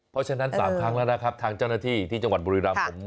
เพราะฉะนั้น๓ครั้งแล้วนะครับทางเจ้าหน้าที่ที่จังหวัดบุรีรำผม